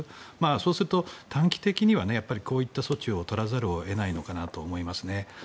そうすると短期的にはこういう措置を取らざるを得ないのかなと。